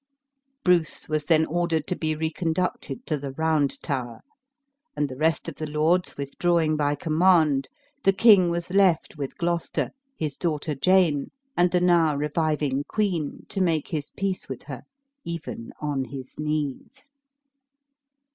Bruce was then ordered to be reconducted to the round tower; and the rest of the lords withdrawing by command, the king was left with Gloucester, his daughter Jane, and the now reviving queen to make his peace with her, even on his knees.